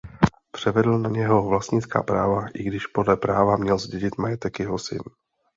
Převedl na něho vlastnická práva i když podle práva měl zdědit majetek jeho syn.